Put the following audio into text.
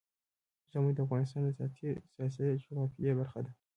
ژمی د افغانستان د سیاسي جغرافیه برخه ده.